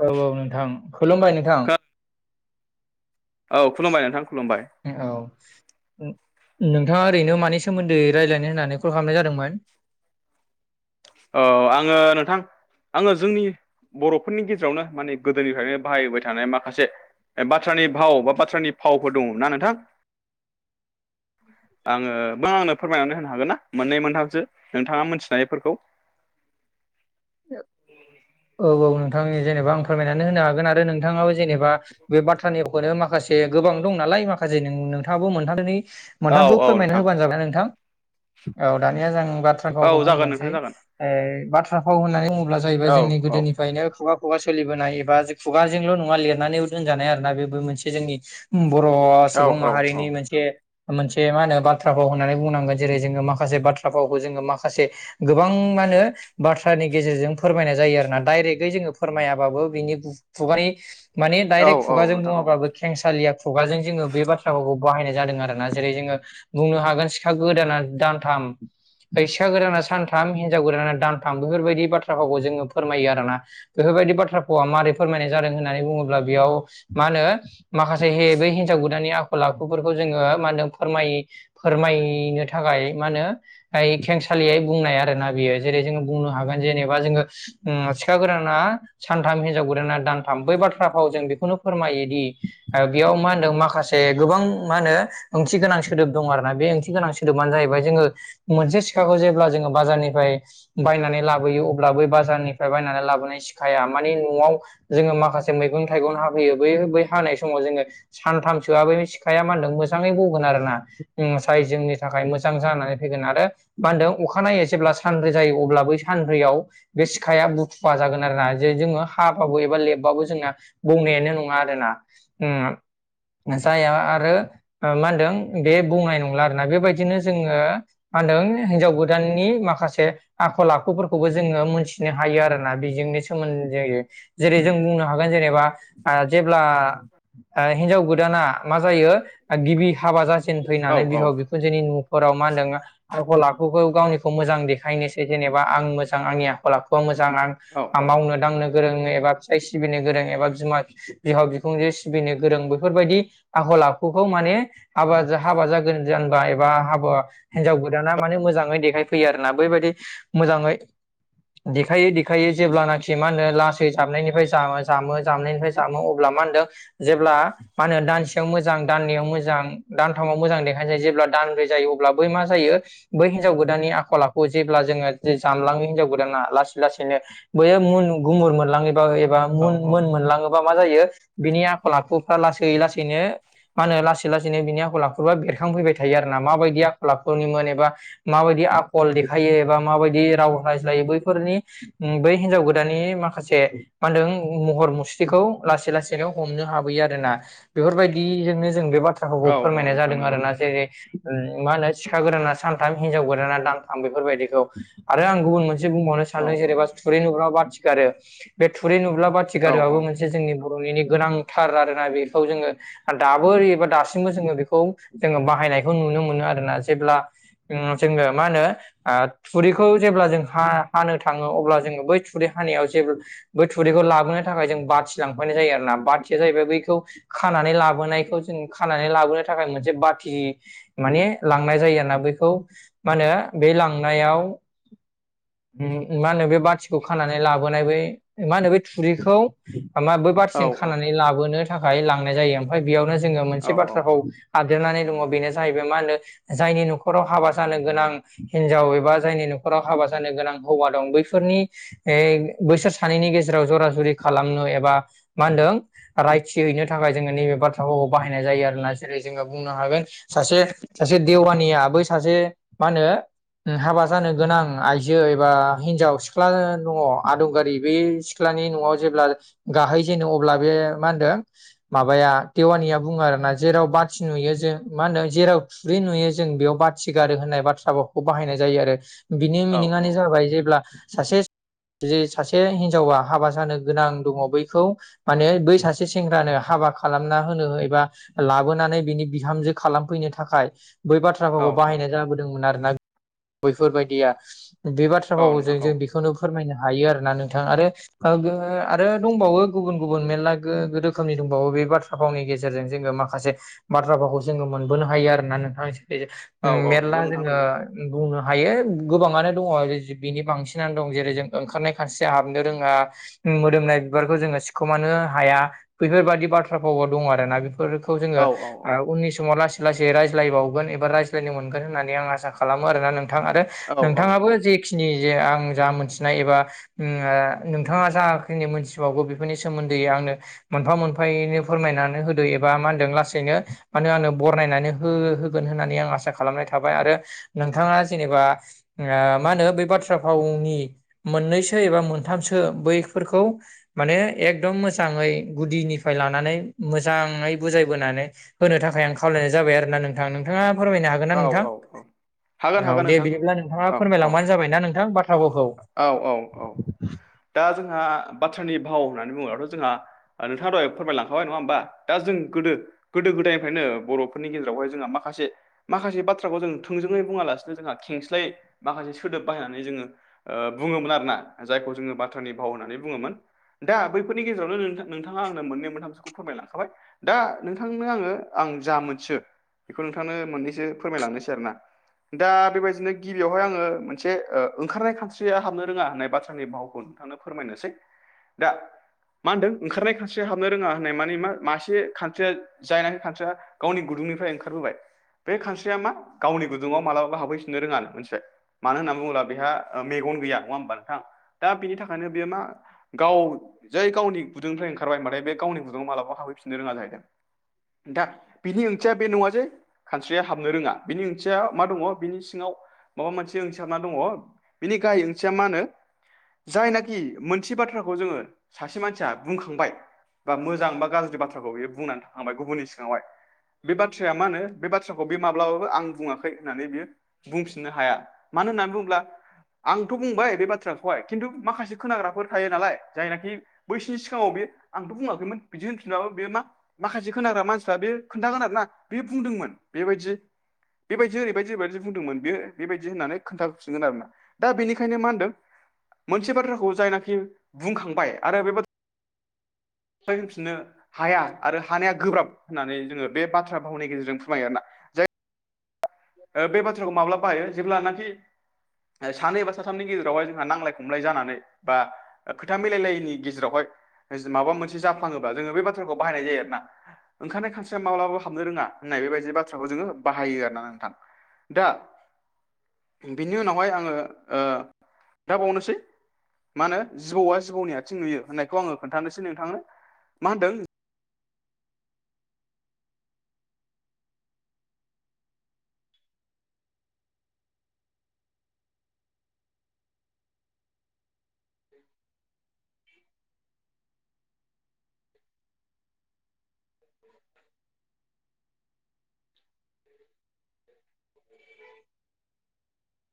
औ औ नोंथां खुलुमबाय नोंथां औ खुलुमबाय नोंथां खुलुमबाय औ नोंथाङा ओरैनो मानि सोमोन्दै रायलायनो होननानै कल खालामनाय जादोंमोन? अ आङो नोंथां आङो जोंनि बर'फोरनि गेजेरावनो माने गोदोनिफ्रायनो बाहायबायबोबाय थानाय माखासे बाथ्रानि भाव बा बाथ्रानि फावफोर दङ ना नोंथां? [inaudible] आङो बा आंनो फोरमायनानै होनो हागोन ना मोननै मोनथामसो नोंथाङा मोनथिनायफोरखौ औ औ नोंथांनि जेनेबा आं फोरमायनानै होनो हागोन आरो नोंथाङाबो जेनेबा बे बाथ्रानि भावानो माखासे गोबां दं नालाय माखासे नों नोंथाङाबो नोंथांनि औ मोनथामखौ औ फोरमायना नोंथां होबानो जाबायना नोंथां औ दानिया जों बाथ्रा औ भावखौ जागोन नोंथां बुंबोनसै जागोन ओ बाथ्रा फाव होननानै बुङोब्ला जाहैबाय औ जोंनि औ फ्रायनो खुगा खुगा सोलिबोनाय एबा खुगाजोंल' नङा लिरनानैबो दोनजानाय आरोना बेबो मोनसे जोंनि बर' औ सुबुं औ माहारिनि मोनसे मोनसे मा होनो बाथ्रा फाव होननानै बुंनांगोन जेरै जोङो माखासे बाथ्रा फावखौ जोङो माखासे गोबां मा होनो बाथ्रानि गेजेरजों फोरमायनाय जायो आरो ना डाइरेक्टयै जोङो फोरमायाबाबो बिनि खुगानि माने औ डाइरेक्ट औ खुगाजों नोंथां औ बुङाबाबो खेंसालिया खुगाजों जोङो बे बाथ्राफोरखौ बाहायनाय जादों आरोना जेरै जोङो बुंनो हागोन सिखा गोदाना दानथाम फैसा गोदाना सानथाम हिनजाव गोदाना दानथाम बेफोरबायदि बाथ्राफोरखौ जोङो फोरमायो आरोना बेफोरबायदि बाथ्रा भावा मारै फोरमायनाय जादों होननानै बुङोब्ला बेयाव मा होनो माखासे हे बै हिन्जाव गोदाननि आखल आखुफोरखौ जोङो मा होनदों फोरमाय फोरमायनो थाखाय मा होनो ओइ खेंसालियै बुंनाय आरो ना बियो जेरै जोङो बुंनो हागोन जेनेबा जोङो ओम सिखा गोदाना सानथाम हिनजाव गोदाना दानथाम बै बाथ्रा फावजों बेखौनो फोरमायोदि ओ बेयाव मा होनदों माखा से गोबां मा होनो ओंथि गोनां सोदोब दं आरोना बे ओंथि गोनां सोदोबानो जाहैबाय जोङो मोनसे सिखाखौ जेब्ला जोङो बाजारनिफ्राय बायनानै लाबोयो अब्ला बै बाजारनि फ्राय बायनानै लाबोनाय सिखाया माने न'आव जोङो माखासे मैगं थाइगं हाफैयो बै बै हानाय समाव जोङो सानथामसोआ बै सिखाया मा होनदों मोजाङै बौगोन आरोना जाय जोंनि थाखाय मोजां जानानै हैगोन आरो मा होनदों अखानायै जेब्ला सानब्रै जायो अब्ला बै सानब्रैयाव बे सि खाया बुथुवा जागोन आरो ना जे जोङो हाबाबो एबा लेबबाबो जोंना बुंनायानो नङा आरोना। ओम जाया आरो ओ मा होनदों बे बुंनाय नंला आरोना बेबायदिनो जोङो मा होनदों हिनजाव गोदाननि माखासे आखल आखुफोरखौबो जोङो मोनथि नो हायो आरोना बेजोंनो सोमोन्दो जायो जेरै जों बुंनो हागोन जेनेबा जेब्ला ओ हिनजाव गोदाना मा जायो गिबि हाबा जाजेन औ फैनानै बिहाव औ बिखु जोंनि न'फोराव मा होन्दों आखल आखुखौ गावनिखौ मोजां देखायनोसै जेनेबा आं मोजां आंनि आखला खुआ मोजां आं औ मावनो दांनो गोरों एबा फिसाइ सिबिनो गोरों एबा बिमा बिहाव बिखुमजोे सिबिनो गोरों बेफोरबायदि आखल आखुखौ माने हाबा हाबा जागोन जोनेबा एबा हाबा हिनजाव गोदाना माने मोजाङै देखायफैयो आरो ना बैबायदि मोजाङै देखायै देखायै जेब्लानाखि मा होनो लासै जामनायनिफ्राय जामो जामनायनिफ्राय जामो अब्ला मा होनदों जेब्ला मा होनो दानसेयाव मोजां दाननैयाव मोजां दानथामाव मोजां देखायजायो जेब्ला दानब्रै जायो अब्ला बै मा जायो बै हिन्जाव गोदाननि आखल आखु जेब्ला जोङो जामलाङो हिनजाव गोदाना लासै लासैनो बैयो मुन गुमुर मोनलाङो एबा औ मोन मुन मोनलाङो। मा जायो बिनि आखल आखुफ्रा लासै लासैनो मा होनो लासै लासैनो बिनि आखलला आखुआ बेरखांफैबाय थायो आरो ना माबायदि आखलाखनिमोन एबा माबायदि आखल देखायो एबा माबायदि राव रायज्लायोबो फोरनि बै हिनजाव गोदाननि माखासे मा होनदों महर मुस्रिखौ लासै लासैनो हमनो हाबोयो आरो ना। बेफोरबायदिजोंनो जों बे बाथ्राखौ औ औ फोरमायनाय नोंथां जादों नंगौ आरोना जेरै मा होनो सिखा गोदाना सानथाम हिनजाव गोदाना दानथाम बेफोरबायदिखौ आरो आं गुबुन मोनसे बुंबावनो औ सानदों औ जेनबा थुरि नुब्ला बाथि गारो बे थुरि नुब्ला बाथि औ गारोआबो मोनसे मोनसे जोंनि बर'निनो गोनांथार आरोना बेखौ जोङो आरो दाबो ओरै एबा दासिमबो जोङो बेखौ जोङो बाहायनायखौ नुनो मोनो आरोना जेब्ला जोङो मा होनो थुरिखौ जेब्ला जों हा हानो थाङो अब्ला जोङो बै थुरि हानायाव जेब्ला बै थुरैखौ लाबोनो थाखाय जों बाथि लांफैनाय जायो आरो ना बाथिया जाहैबाय बैखौ खानानै लाबोनायखौ जों खानानै लाबोनो थाखाय मोनसे बाथि माने लांनाय जायो आरोना बैखौ मा होनो बे लांनायाव मा होनो बे बाथिखौ खानानै लाबोनाय बो मा होनो बे थुरिखौ बै औ बारथिं खानानै लाबोनो थाखाय लांनाय जायो। ओमफ्राय बेयावनो जोङो औ मोनसे औ बाथ्राखौ आबदेरनानै दङ बेनो जाहैबाय मा होनो जायनि न'खराव हाबा जानो गोनां हिनजाव एबा जायनि न'खराव हाबा जा गोनां हौवा दं बैफोरनि बोसोर सानैनि गेजेराव जरा जरि खालामनो एबा मा होनदों रायथि हैैनो थाखाय जोङो नैबे बाथ्राफोरखौ बाहायनाय जायो आरोना जेरै जोङो बुंनो हागोन सासे सासे देवानिया बै सासे मा होनो हाबा जानो गोनां आइजो जेबा हिनजाव सिख्ला दङ आदुंगारि बे सिख्लानि न'आव जेब्ला गाहै जेनो अब्ला बे मा होनदों माबाया देवानिया बुङो आरोना जेराव बाथि नुयो जों मा होनदों जेराव थुरै नुयो जों बेयाव बाथि गारो होननाय बाथ्राखौ बाहायनाय जायो आरो बिनि औ मिनि हाबाय जेब्ला सासे सासे हिनजावा हाबा जानो गोनां दङ बैखौ माने बै सासे सेंग्रानो हाबा खालामना होनो एबा लाबोनानै बिनि बिहामजो खालामफैनो थाखाय बै बाथ्राफोरखौ औ बाहायनाय जाबोदोंमोन आरोना बैफोरबायदिया बे बाथ्रा आव औ ज नोंथां औ जों बेखौनो फोरमायनो हायो आरो ना नोंथाङा आरो आरो दंबावो गुबुन गुबुन मेरला गो रोखोमनि दंबावो बे बाथ्रा फावनि गेजेरजों जोङो माखासे बाथ्रा भावखौ जोङो मोनबोनो हायो आरोना नोंथांनि जे औ औ मेरला नंगौ नोंथां जोङो नंगौ बुंनो हायो गोबाङानो दङ बिनि बांसिनानो दं जेरै जों ओंखारनाय खानस्रिया हाबनो रोङा मोदोमनाय बिबारखौ जोङो सिख'मानो हाया बेैफोरबादि बाथ्रा भावबो दङ आरो ना बेफोरो खौ जोङो औ औ उननि समाव ला लासै रायज्लायबावगोन एबा रायज्लायनो मोनगोन होननानै आं आसा खालामो आरोना नोंथां आरो औ औ औ जिखिनि जे आं जा मोनथिनाय एबा ओ नोंथाङा जाखिनि मोनथिबावगौ बेफोरनि सोमोन्दै आंनो मोनफा मोनफायैनो फोरमायनानै होदो एबा मा होनदों लासैनो मा बरनायनानै हो हो होगोन होननानै आं आसा खालामनाय थाबाय आरो नोंथाङा जेनेबा ओ मा होनो बै बाथ्रा फावनि मोननैसो एबा मोनथामसो बैफोरखौ माने एकदम मोजाङै गुदिनिफ्राय लानानै मोजाङै बुजायबोनानै होनो थाखाय आं खावलायनाय जाबाय आरो ना नोंथां नोंथाङा फोरमायनो हागो हागोना औ नोंथां औ औ हागोन औ हागोन दे नोंथां बिदिब्ला नोंथाङा औ फोरमायलांबानो जाबायना नोंथां बाथ्रा भावखौ औ औ औ दा जोंहा बाथ्रानि भाव होननानै बुङोबाथ' जोंहा नोंथाङा दहाय फोरमायलांखाबाय नङा होमबा दा जों गोदो गोदो गोदायनिफ्रायनो बर'फोरनि गेजेरावहाय जोंहा माखासे माखासे बाथ्राखौ जों थोंजोङै बुङालासिनो जोंहा खेंस्लाय माखासे सोदोब बाहायनानै जोङो ओ बुङोमोन आरो ना जायखौ जोङो बाथ्रानि भाव होननानै बुङोमोन दा बैफोरनि गेजेरावनो नों नोंथाङा आंनो मोननै मोनथामसोखौ फोरमायलांखाबाय दा नोंथांनो आङो आं जा मोनसो बेखौ नोंथांनो मोननैसो फोरमायलांनोसै आरोना दा बेबायदिनो गिबियावहाय आङो मोनसे ओ ओंखारनाय खानस्रिया हाबनो रोङा होननाय बाथ्रानि भावखौ नोंथांनो फोरमायनोसै दा मा होनदों ओंखारनाय खान्स्रिया हाबनो रोङा होननाय मानेा मासे खान्स्रिया जायानो खानस्रिआ गावनि गुदुंनिफ्राय ओंखारबोबाय बे खानस्रिया मा गाव गुङाव मालाबाबो हाबहैफिननो रोङानो मोनथिबाय मानो होनना बुङोब्ला बेहा मेगन गैया नङा होमबा नोंथां दा बिनि थाखायनो बेयो मा गाव जोय गावनि गुदुंनिफ्राय ओंखारबाय माने बे गावनि गुदुुङाव मालाबाबो हफैफिननो रोङा जाहैदों दा बिनि ओंथिया बे नङा जे खानस्रिया हाबनो रोङा बिनि ओंथिया मा दङ बिनि सिङाव माबा मोनसे ओंथिबना दङ बिनि गाहाय ओंथिया मा होनो जायनाखि मोनसे बाथ्राखौ जोङो सासे मानसिया बुंखांबाय बा मोजां बा गाज्रि बाथ्राखौ बियो बुंनानै थांबाय गुबुननि सिगाङावहाय बे बाथ्राया मा होनो बे बाथ्राखौ बे माब्लाबाबो आं बुङाखै होननानै बियो बुंफिननो हाया मानो होननानै बुङोब्ला आंथ' बुंबाय बे बाथ्राखौहाय खिन्थु माखासे खोनाग्राफोर थायो नालाय जायनाखि बैसिनि सिगाङाव बे आंथ' बुङाखैमोन बिदि होनफिनबाब बे मा माखासे खोनाग्रा मानसिफ्रा बे खोनथागोन आरोना बे बुंदोंमोन बेबायदि बेबायदि ओरैबायदि ओरैबायदि बुंदोंमोन बे बेबायदि होननानै खोन्था हैफिनगोन आरो ना दा बेनिखायनो मा होनदों मोनसे बाथ्राखौ जायनाखि बुंखांबाय आरो बे बाथ्रा निफ्राय हौनफिनो हाया आरो हानाया गोब्राब होननानै जोङो बे बाथ्रा भावनि गेजेरजों फोरमायो आरोना ओ बे बाथ्राखौ माब्ला बाहायो जेब्लानाखि सानै बा साथामनि गेजेरावहाय जोंहा नांलाय खमलाय जानानै बा खोथा मिलाय लायैनि गेजेरावहाय जायखिजाया माबा मोनसे जाफ्लाङोबा जोङो बे बाथ्राखौ बाहायनाय जायो आरोना ओंखारनाय खानस्रिया माब्लाबो हाबनो रोङा होननाय बेबायदि बाथ्राखौ जोङो बाहायो आर ना नोंथां दा बिनि उनावहाय आङो ओ दा बावनोसै मा होनो जिबौआ जिबौनि आथिं नुयो होननायखौ आङो खोन्थानोसै नोंथांनो मा होनदों [inaudible] [inaudible]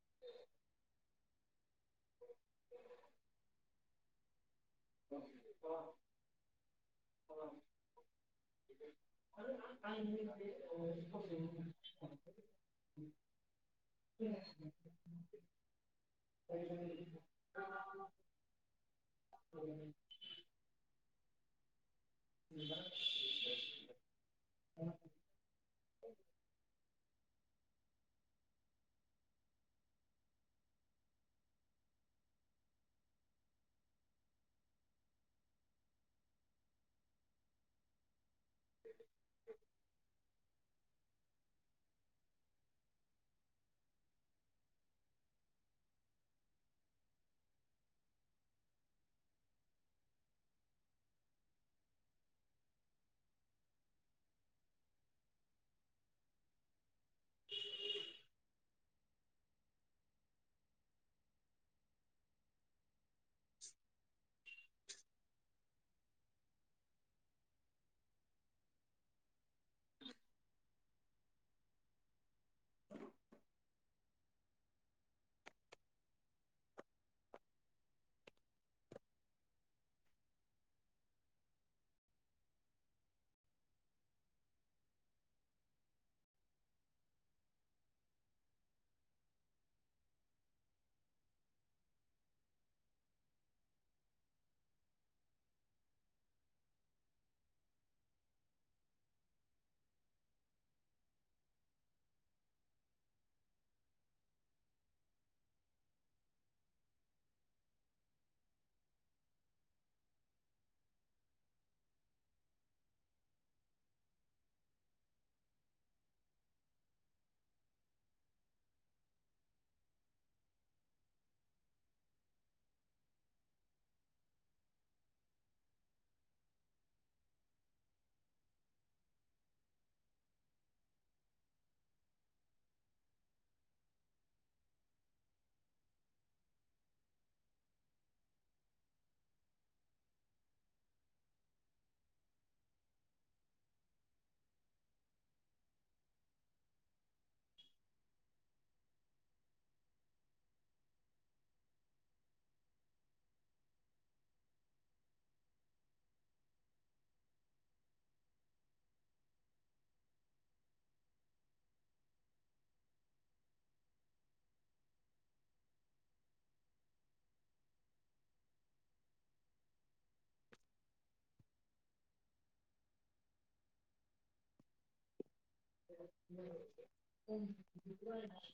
[inaudible] [inaudible] [unintelligible] [unintelligible] [inaudible] [inaudible] औ। [inaudible] [inaudible] उ [unintelligible]